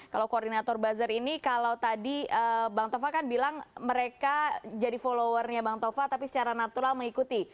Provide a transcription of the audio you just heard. kalau koordinator buzzer ini kalau tadi bang tova kan bilang mereka jadi followernya bang tova tapi secara natural mengikuti